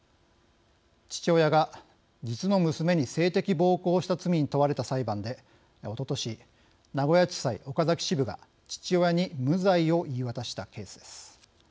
父親が実の娘に性的暴行をした罪に問われた裁判でおととし名古屋地裁岡崎支部が父親に無罪を言い渡したケースです。